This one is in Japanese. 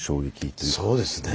そうですね。